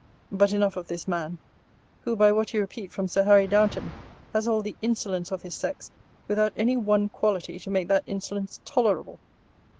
But enough of this man; who, by what you repeat from Sir Harry Downeton, has all the insolence of his sex, without any one quality to make that insolence tolerable.